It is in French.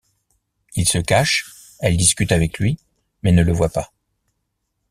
Il se cache, elle discute avec lui mais ne le voit pas.